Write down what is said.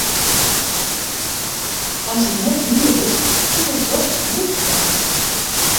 As it net wier is, is it dochs goed betocht.